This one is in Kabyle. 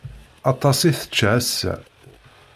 Aṭas i tečča ass-a.